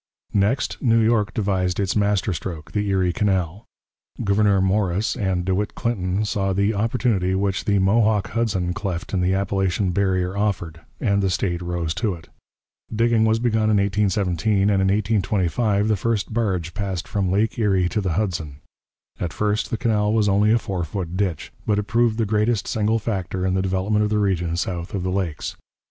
Next, New York devised its master stroke, the Erie Canal. Gouverneur Morris and De Witt Clinton saw the opportunity which the Mohawk Hudson cleft in the Appalachian barrier offered, and the state rose to it. Digging was begun in 1817, and in 1825 the first barge passed from Lake Erie to the Hudson. At first the canal was only a four foot ditch, but it proved the greatest single factor in the development of the region south of the Lakes.